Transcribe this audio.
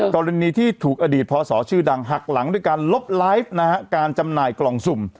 กรณีที่ถูกอดีตพศชื่อดังหักหลังด้วยการลบไลฟ์นะฮะการจำหน่ายกล่องสุ่ม